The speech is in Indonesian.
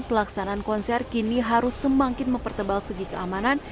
pelaksanaan konser kini harus semakin mempertebal segi keamanan